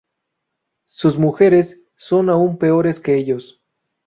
Sus mujeres, son aún peores que ellos.